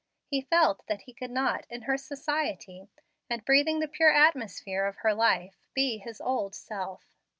He felt that he could not, in her society, and breathing the pure atmosphere of her life, be his old self.